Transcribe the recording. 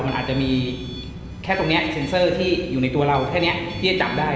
มันอาจจะมีแค่ตรงนี้เซ็นเซอร์ที่อยู่ในตัวเราแค่นี้ที่จะจับได้